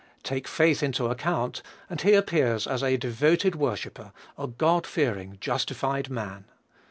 Take faith into account, and he appears as a devoted worshipper, a God fearing, justified man.